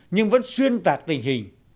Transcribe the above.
nhưng vẫn xuyên tạc tình hình